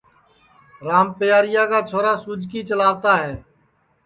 رام پیاریا کا چھورا سُوجکی چلاوتا ہے